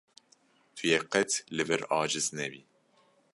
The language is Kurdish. Tu yê qet li vir aciz nebî.